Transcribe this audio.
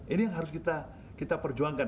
ini yang harus kita perjuangkan